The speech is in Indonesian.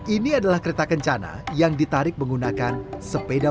ini adalah kereta kencana yang ditarik menggunakan sepeda